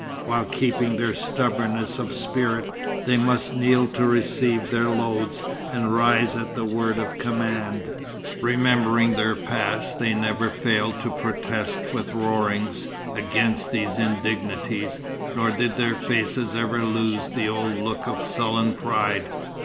While keeping their stubbornness of spirit they must kneel to receive their loads, and rise at the word of command. Remembering their past, they never failed to protest with roarings, against these indignities, nor did their faces ever lose the old look of sullen pride.